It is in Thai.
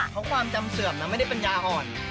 เพราะว่ามจำเสื่อมเนอะไม่ได้เป็นญาหรณ์